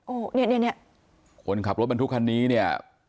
โอ้โหเนี่ยคนขับรถบรรทุกคันนี้เนี่ย